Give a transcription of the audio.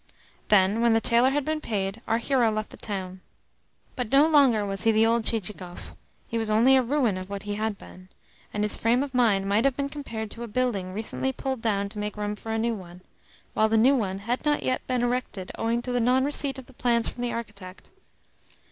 Then, when the tailor had been paid, our hero left the town. But no longer was he the old Chichikov he was only a ruin of what he had been, and his frame of mind might have been compared to a building recently pulled down to make room for a new one, while the new one had not yet been erected owing to the non receipt of the plans from the architect.